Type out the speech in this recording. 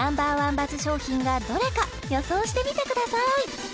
バズ商品がどれか予想してみてください